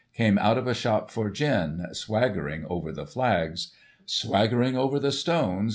Came out of a shop for gin. Swaggering over the flags :" Swaggering over the stones.